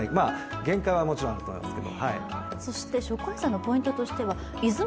限界はもちろんあると思うんですけど。